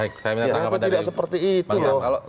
kenapa tidak seperti itu loh